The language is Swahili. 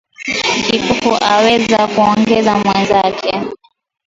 Kipofu awezi kuongoza mwenzake